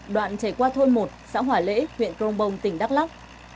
đoạn chảy qua thôn một xã hỏa lễ huyện grongbong tỉnh đắk lắk